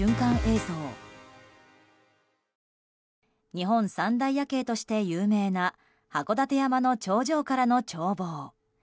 日本三大夜景として有名な函館山の頂上からの眺望。